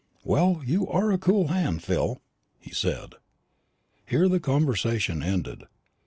"Well, you are a cool hand, Phil!" he said. Here the conversation ended.